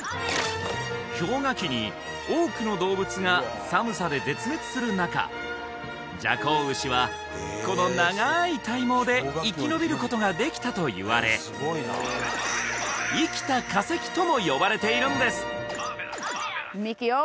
氷河期に多くの動物が寒さで絶滅する中ジャコウウシはこの長い体毛で生きのびることができたといわれ生きた化石とも呼ばれているんですみきお